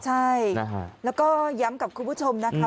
ใช่แล้วก็ย้ำกับคุณผู้ชมนะคะ